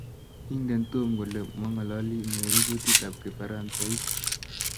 ingen Tom kole mangololi Mary kutitab kifaransaik